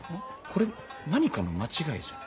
これ何かの間違いじゃ。